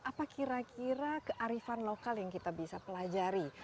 apa kira kira kearifan lokal yang kita bisa pelajari